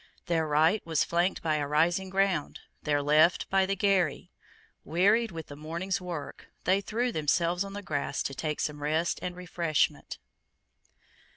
Their right was flanked by a rising ground, their left by the Garry. Wearied with the morning's work, they threw themselves on the grass to take some rest and refreshment.